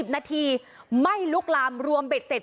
นาทีไม่ลุกลามรวมเบ็ดเสร็จ